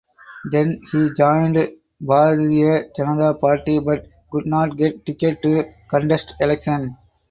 Then he joined Bharatiya Janata Party but could not get ticket to contest election.